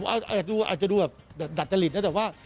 อาจจะดูแบบดัดจริตนะแต่ว่า